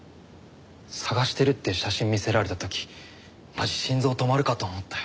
捜してるって写真見せられた時マジ心臓止まるかと思ったよ。